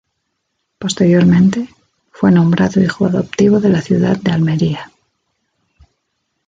Posteriormente, fue nombrado hijo adoptivo de la ciudad de Almería.